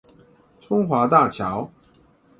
中華大橋